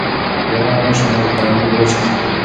که باران ونه شي نو کروندې به وچې شي.